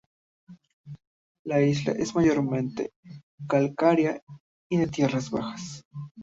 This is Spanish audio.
La isla es mayormente calcárea y de tierras bajas.